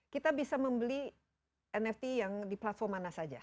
kita bisa membeli nft yang di platform mana saja